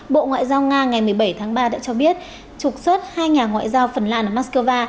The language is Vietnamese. bộ ngoại giao nga ngày một mươi bảy tháng ba đã cho biết trục xuất hai nhà ngoại giao phần lan ở moscow